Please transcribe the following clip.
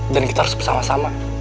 dan kita harus bersama sama